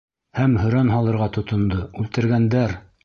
Һәм һөрән һалырға тотондо: «Үлтергәндәр!»